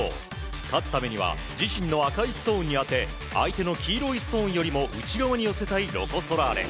勝つためには自身の赤いストーンに当て相手の黄色いストーンよりも内側に寄せたいロコ・ソラーレ。